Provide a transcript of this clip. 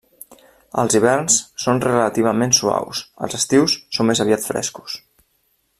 Els hiverns són relativament suaus, els estius són més aviat frescos.